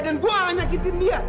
dan gue nggak akan nyakitin dia